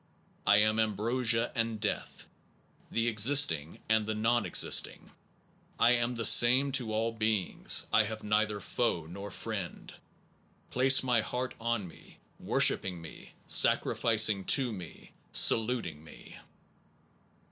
I am ambrosia and death, the existing and the non existing. ... I am the same to all beings. I have neither foe nor friend. ... Place thy heart on me, wor shipping me, sacrificing to me, saluting me.